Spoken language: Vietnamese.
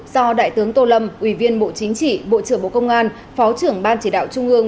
do đại tướng tô lâm ủy viên bộ chính trị bộ trưởng bộ công an phó trưởng ban chỉ đạo trung ương